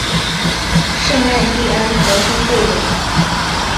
圣艾蒂安德丰贝隆。